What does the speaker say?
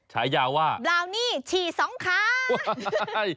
ฉายาว่าบราวนี่ฉี่สองขา